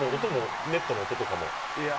ネットの音とかも。